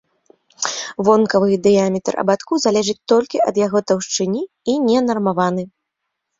Вонкавы дыяметр абадку залежыць толькі ад яго таўшчыні і не нармаваны.